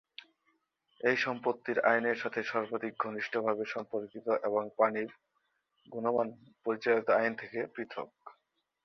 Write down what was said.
এটি সম্পত্তির আইনের সাথে সর্বাধিক ঘনিষ্ঠভাবে সম্পর্কিত এবং পানির গুণমান পরিচালিত আইন থেকে পৃথক।